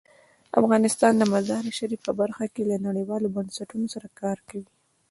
افغانستان د مزارشریف په برخه کې له نړیوالو بنسټونو سره کار کوي.